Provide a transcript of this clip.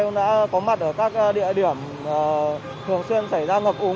em đã có mặt ở các địa điểm thường xuyên xảy ra ngập úng